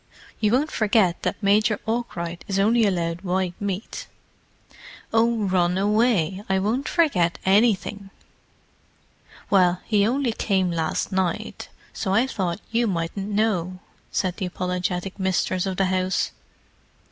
You won't forget that Major Arkwright is only allowed white meat?" "Oh, run away—I won't forget anything." "Well, he only came last night, so I thought you mightn't know," said the apologetic mistress of the house.